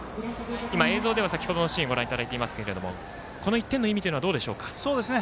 今、映像では先ほどのシーンをご覧いただいていますがこの１点の意味というのはどうでしょうか？